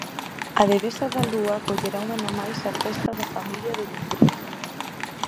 A devesa da Lúa acollerá un ano máis a festa da familia de Dumbría.